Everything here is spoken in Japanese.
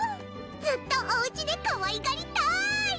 ずっとおうちでかわいがりたい！